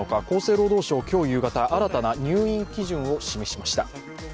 厚生労働省は今日夕方、新たな入院基準を示しました。